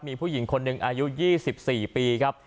มีผู้หญิงคนหนึ่งอายุ๒๔ปีครับ